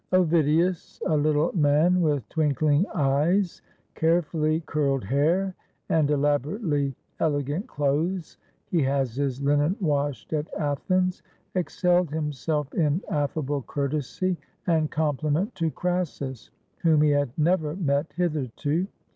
Ovidius — a Kttle man with twinkling eyes, carefully curled hair, and elaborately elegant clothes — he has his linen washed at Athens — excelled himself in affable courtesy and comphment to Crassus, whom he had never met hitherto.